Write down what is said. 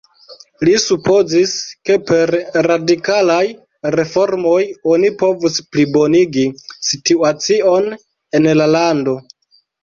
Li supozis, ke per radikalaj reformoj oni povis plibonigi situacion en la lando.